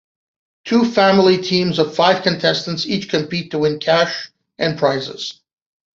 Two family teams of five contestants each compete to win cash and prizes.